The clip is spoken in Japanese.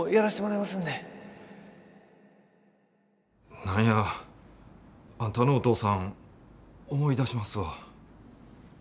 何やあんたのお父さん思い出しますわ。